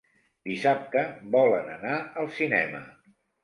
Dissabte volen anar al cinema.